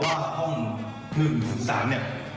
เพราะว่าห้อง๑๓เนี่ย